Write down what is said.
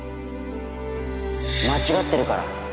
間違ってるから。